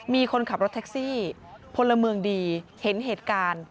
มีคนขับรถแท็กซี่พลเมืองดีเห็นเหตุการณ์